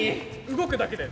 動くだけで。